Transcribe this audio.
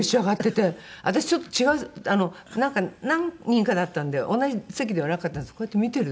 私ちょっと違うなんか何人かだったんで同じ席ではなかったんですけどこうやって見てる。